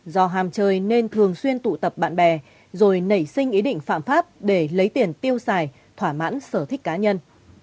do hàm chơi nên thường xuyên tụ tập bạn bè rồi nảy sinh ý định phạm pháp để lấy tiền tiêu xài thỏa mãn sở thích cá nhân